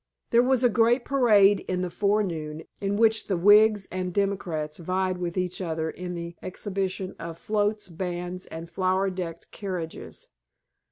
There was a great parade in the forenoon, in which the Whigs and Democrats vied with each other in the exhibition of floats, bands, and flower decked carriages.